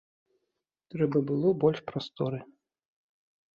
Трэба было больш прасторы.